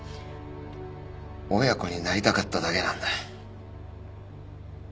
親子になりたかっただけなんだ。